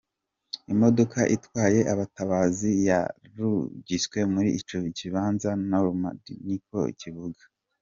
Imodoka itwaye abatabazi yarungitswe muri ico kibanza i Normandie, niko kivuga.